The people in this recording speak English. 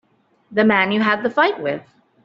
The man you had the fight with.